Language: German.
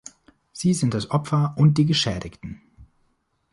Sie sind das Opfer und die Geschädigten.